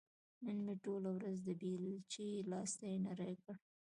نن مې ټوله ورځ د بېلچې لاستي نري کړ.